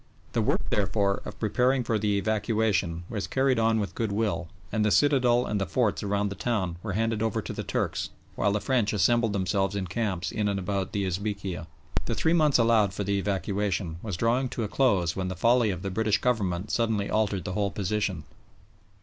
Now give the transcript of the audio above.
The work, therefore, of preparing for the evacuation was carried on with goodwill, and the citadel and the forts around the town were handed over to the Turks, while the French assembled themselves in camps in and about the Esbekieh. The three months allowed for the evacuation was drawing to a close when the folly of the British Government suddenly altered the whole position.